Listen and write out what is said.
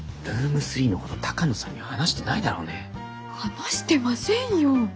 話してませんよぉ。